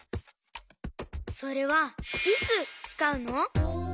それはいつつかうの？